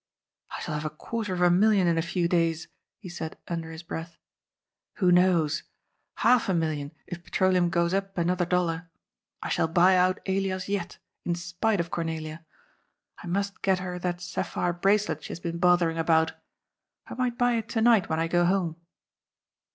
"I shall have a quarter of a million in a few days," he said, under his breath. " Who knows ? Half a million, if petroleum goes up another dollar. I shall buy out Elias yet, in spite of Cornelia. I must get her that sapphire bracelet she has been bothering about. I might buy it to night when I go home."